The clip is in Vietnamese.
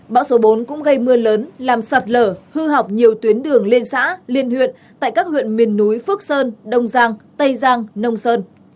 bão số bốn cũng gây mưa lớn làm sạt lở hư hỏng nhiều tuyến đường liên xã liên huyện tại các huyện miền núi phước sơn đông giang tây giang nông sơn